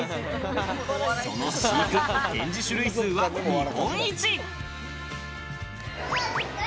その飼育、展示種類数は日本一。